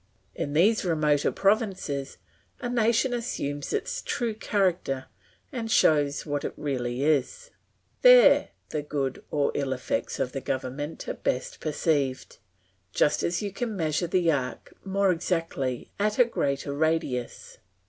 In these remoter provinces a nation assumes its true character and shows what it really is; there the good or ill effects of the government are best perceived, just as you can measure the arc more exactly at a greater radius.